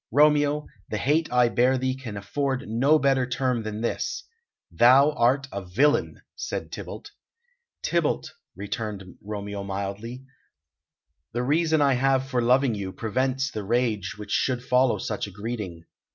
"Romeo, the hate I bear thee can afford no better term than this thou art a villain!" said Tybalt. "Tybalt," returned Romeo mildly, "the reason I have for loving you prevents the rage which should follow such a greeting.